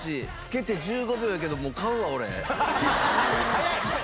早い！